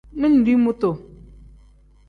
Mindi mutu.